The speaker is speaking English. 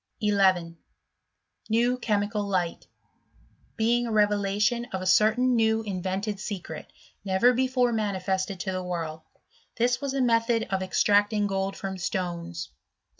1 1 . New chemical Light ; being a revelation of a certain new invented secret, never before manifested to the world. — This was a method of extracting gold from stones.